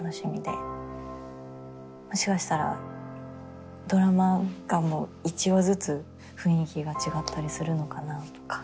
もしかしたらドラマが１話ずつ雰囲気が違ったりするのかなとか。